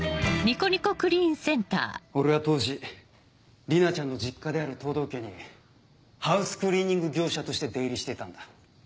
俺は当時莉奈ちゃんの実家である藤堂家にハウスクリーニング業者として出入りしてたんだ。